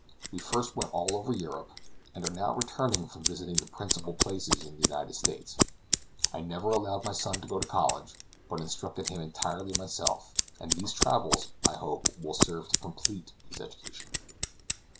We first went all over Europe, and are now returning from visiting the principal places in the United States. I never allowed my son to go to college, but instructed him entirely myself, and these travels, I hope, will serve to complete his education.